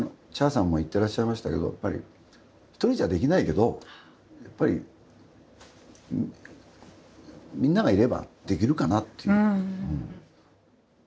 Ｃｈａｒさんも言ってらっしゃいましたけどひとりじゃできないけどみんながいればできるかなっていう。